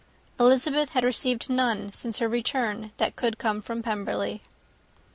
Elizabeth had received none since her return, that could come from Pemberley.